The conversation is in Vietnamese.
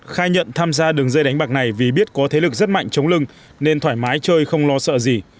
khai nhận tham gia đường dây đánh bạc này vì biết có thế lực rất mạnh chống lưng nên thoải mái chơi không lo sợ gì